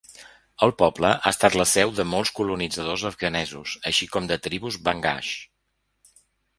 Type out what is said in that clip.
El poble ha estat la seu de molts colonitzadors afganesos, així com de tribus Bangash.